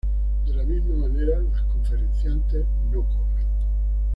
De la misma manera, los conferenciantes no cobran.